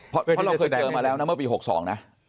เพราะเราเคยเจอมาแล้วนะเมื่อปี๖๒นะ